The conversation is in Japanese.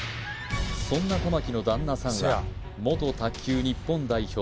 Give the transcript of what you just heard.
そんな玉木の旦那さんは元卓球日本代表